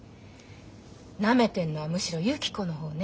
なめてるのはむしろゆき子の方ね。